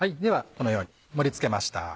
このように盛り付けました。